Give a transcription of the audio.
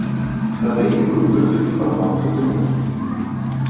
Тады і быў выкрыты падман з дакументамі.